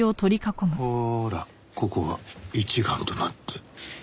ほらここは一丸となって。